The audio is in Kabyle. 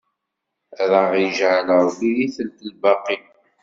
Ad aɣ-iǧɛel Ṛebbi di telt lbaqi!